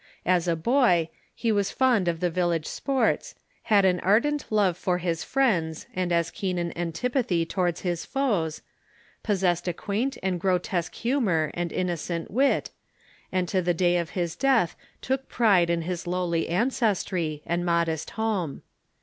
As a boy, he was fond of the village sports, had an ardent love for his friends and as keen an antipathy towards his foes, possessed a quaint and grotesque humor and innocent wit, and to the day of his death took pride in his lowly ancestry and modest home.